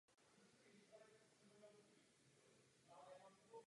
V zaklenutí niky jsou patrné tři otvory pro vyústění vody.